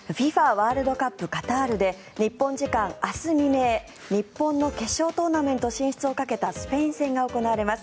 ワールドカップカタールで日本時間明日未明、日本の決勝トーナメント進出をかけたスペイン戦が行われます。